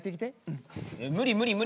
無理無理無理無理。